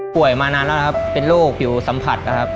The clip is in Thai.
ป่วยมานานแล้วครับเป็นโรคอยู่สัมผัสครับ